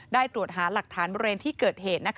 ตรวจหาหลักฐานบริเวณที่เกิดเหตุ